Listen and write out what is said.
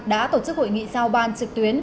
đã tổ chức hội nghị giao ban trực tuyến